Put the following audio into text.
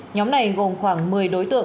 nhóm này gồm khoảng một mươi đối tượng